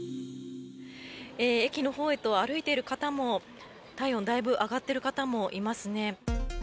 駅のほうへと歩いている方も体温、だいぶ上がっている方もいますね。